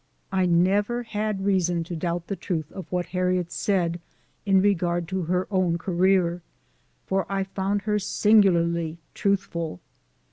I never had reason to doubt the truth of what Harriet said in regard to her own career, for I found her singularly truthful.